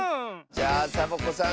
じゃあサボ子さん